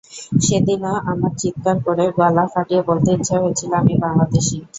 সেদিনও আমার চিৎকার করে, গলা ফাটিয়ে বলতে ইচ্ছা হয়েছিল- আমি বাংলাদেশি।